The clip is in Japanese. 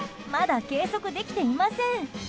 まだ計測できていません。